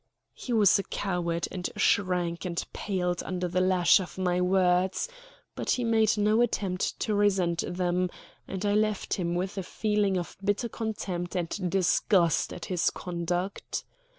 He was a coward, and shrank and paled under the lash of my words; but he made no attempt to resent them, and I left him with a feeling of bitter contempt and disgust at his conduct.